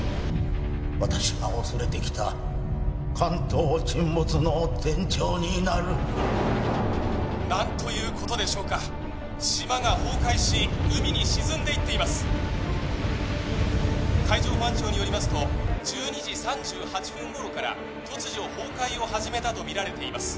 私が恐れてきた関東沈没の前兆になる何ということでしょうか島が崩壊し海に沈んでいっています海上保安庁によりますと１２時３８分頃から突如崩壊を始めたとみられています